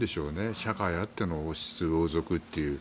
社会あっての王室・王族という。